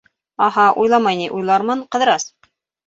— Аһа, уйламай ни, уйлармын, Ҡыҙырас!